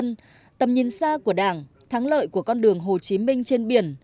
nhân dân tầm nhìn xa của đảng thắng lợi của con đường hồ chí minh trên biển